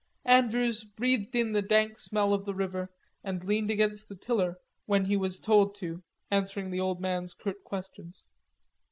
Andrews breathed in the dank smell of the river and leaned against the tiller when he was told to, answering the old man's curt questions.